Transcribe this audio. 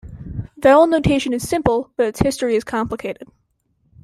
Vowel notation is simple, but its history is complicated.